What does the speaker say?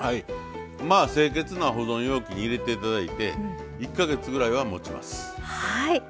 清潔な保存容器に入れて頂いて１か月ぐらいはもちます。